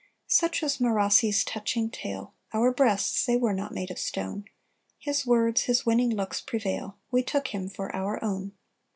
Such was Marossi's touching tale. Our breasts they were not made of stone: His words, his winning looks prevail We took him for "our own."